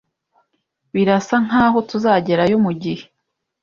Birasa nkaho tuzagerayo mugihe.